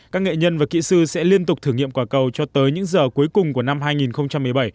các nghệ nhân và kỹ sư sẽ liên tục thử nghiệm quả cầu cho tới những giờ cuối cùng của năm hai nghìn một mươi bảy